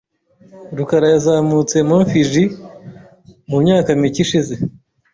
rukara yazamutse Mt .Fuji mu myaka mike ishize .